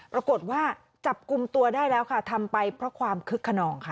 ปรากฏว่าจับกลุ่มตัวได้แล้วค่ะทำไปเพราะความคึกขนองค่ะ